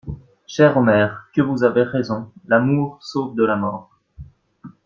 Cher Omer, que vous avez raison: l'amour sauve de la mort!